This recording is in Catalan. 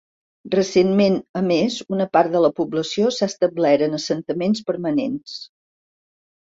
Recentment, a més, una part de la població s’ha establert en assentaments permanents.